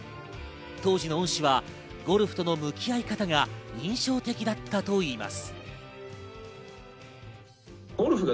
当時の恩師はゴルフとの向き合い方が印象的だったといいます。